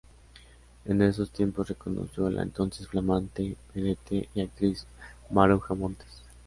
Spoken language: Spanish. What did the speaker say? En esos tiempos conoció a la entonces flamante vedette y actriz Maruja Montes.